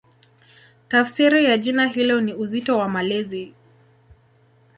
Tafsiri ya jina hilo ni "Uzito wa Malezi".